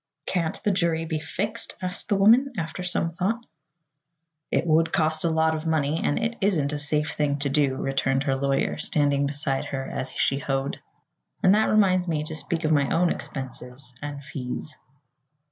"Can't the jury be fixed?" asked the woman, after some thought. "It would cost a lot of money, and it isn't a safe thing to do," returned her lawyer, standing beside her as she hoed. "And that reminds me to speak of my own expenses and fees."